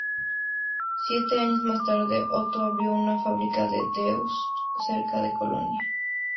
Siete años más tarde, Otto abrió otra fábrica en Deutz, cerca de Colonia.